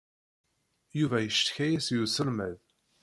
Yuba yeccetka-as i uselmad.